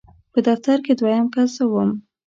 په دفتر کې دویم کس زه وم.